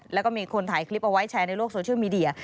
แล้วก็มีคนถ่ายคลิปเอาไว้แชร์ในโลกโซเชียลมีเดีย